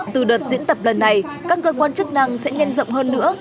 từ đợt diễn tập lần này các cơ quan chức năng sẽ nhân rộng hơn nữa